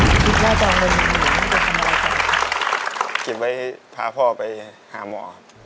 วิทยาลาเจ้ามันมีทำอะไรไม่รู้เก็บให้พาพ่อไปหาหมอ